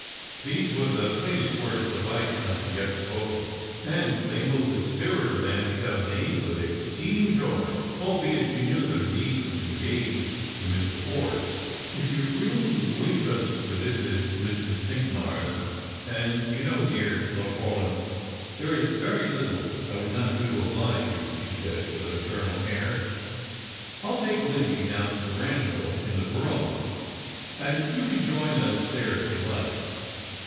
These were tlie plainest words the Viscount had yet spoken, and they moved the spirit of aunt Chevenix with exceeding joy, albeit she knew that her niece was engaged to Mr. Forde. " If you really wish us to visit Mrs. Cinqmars — and you know, dear Lord Paulyn, there is very little I would not do to oblige you," she said, with a maternal air —" I'U take Lizzie down to the Eancho in the brougham, and you can join us there if you like.